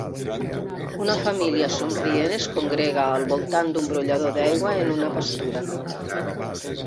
Una família somrient es congrega al voltant d'un brollador d'aigua en una pastura.